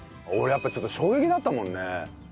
「俺やっぱちょっと衝撃だったもんね」